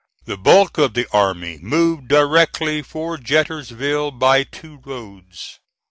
The bulk of the army moved directly for Jetersville by two roads.